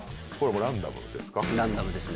ランダムですね。